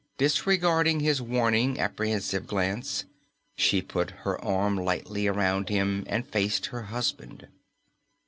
Disregarding his warning, apprehensive glance, she put her arm lightly around him and faced her husband.